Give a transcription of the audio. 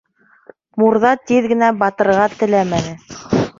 Мурҙа тиҙ генә батырға теләмәне.